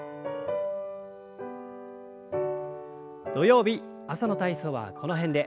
土曜日朝の体操はこの辺で。